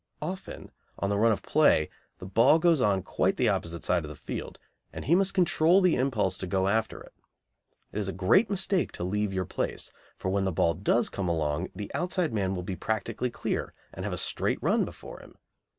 Often on the run of the play the ball goes on quite the opposite side of the field, and he must control the impulse to go after it. It is a great mistake to leave your place, for when the ball does come along the outside man will be practically clear and have a straight run before him.